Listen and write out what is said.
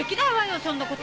そんなこと。